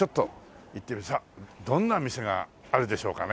さあどんな店があるでしょうかね。